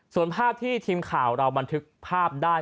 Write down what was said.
ส่วนภาพที่ทีมข่าวเราบันทึกภาพได้